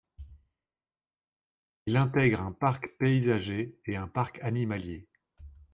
Il intègre un parc paysager et un parc animalier.